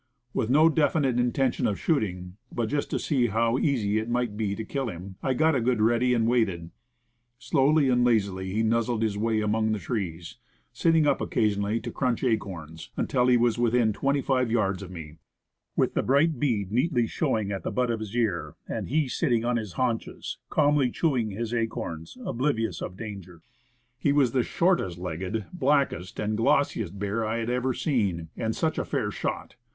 With no definite intention of shoot ing, but just to see how easy it might be to kill him, I got a good ready, and waited. Slowly and lazily he nuzzled his way among the trees, sitting up occa 124 Woodcraft \ sionally to crunch acorns, until he was within twenty five yards of me, with the bright bead neatly show ing at the butt of his ear, and he sitting on his haunches, calmly chewing his acorns, oblivious of danger. He was the shortest legged, blackest, and glossiest bear I had ever seen; and such a fair shot.